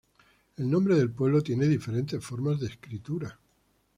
El nombre del pueblo tiene diferentes formas de escritura.